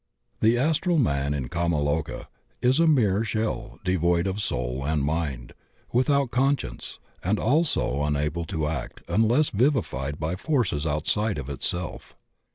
The astral man in kama loka is a mere shell devoid of soul and mind, without conscience and also unable to act unless vivified by forces outside of itself.